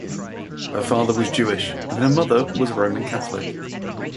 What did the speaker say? Her father was Jewish and her mother was Roman Catholic.